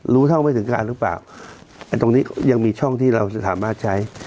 รู้เท่าไม่ถึงการหรือเปล่าไอ้ตรงนี้ยังมีช่องที่เราจะสามารถใช้